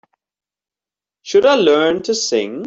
Should I learn to sing?